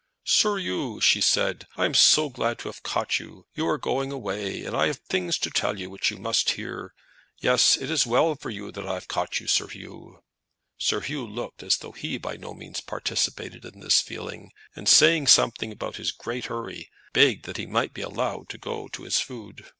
"Sir 'Oo," she said, "I am so glad to have caught you. You are going away, and I have things to tell you which you must hear yes; it is well for you I have caught you, Sir 'Oo." Sir Hugh looked as though he by no means participated in this feeling, and saying something about his great hurry begged that he might be allowed to go to his food.